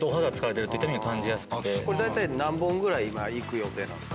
何本ぐらい今いく予定なんですか？